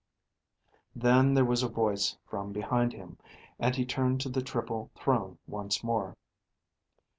Then there was a voice from behind him, and he turned to the triple throne once more.